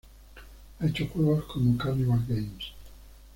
Ha hecho juegos como Carnival Games